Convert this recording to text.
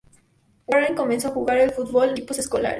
Warren comenzó a jugar al fútbol en equipos escolares.